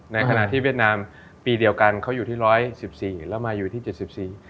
ในขณะที่เวียดนามปีเดียวกันเขาอยู่ที่๑๑๔แล้วมาอยู่ที่๗๔